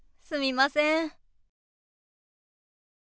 すみません。